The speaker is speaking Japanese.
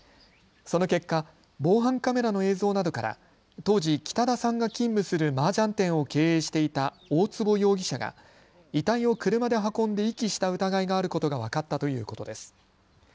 その結果、防犯カメラの映像などから当時、北田さんが勤務するマージャン店を経営していた大坪容疑者が遺体を車で運んで遺棄した疑いがあることが分かったということです。